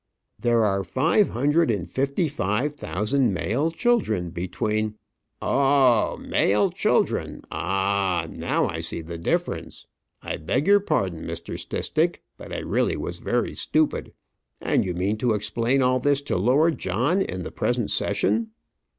"There are five hundred and fifty five thousand male children between " "Oh h h! male children! Ah h h! Now I see the difference; I beg your pardon, Mr. Stistick, but I really was very stupid. And you mean to explain all this to Lord John in the present session?"